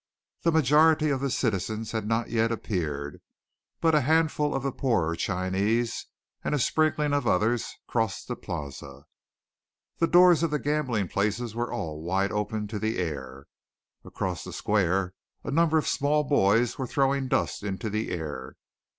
The majority of the citizens had not yet appeared, but a handful of the poorer Chinese, and a sprinkling of others, crossed the Plaza. The doors of the gambling places were all wide open to the air. Across the square a number of small boys were throwing dust into the air.